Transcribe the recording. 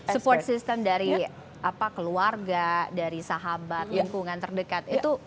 support system dari keluarga dari sahabat lingkungan terdekat